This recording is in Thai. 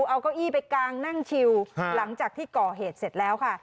เอาเก้าอี้ไปกางนั่งชิวหลังจากที่ก่อเหตุเสร็จแล้วค่ะ